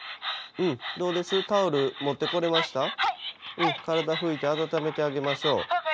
うん体拭いて温めてあげましょう。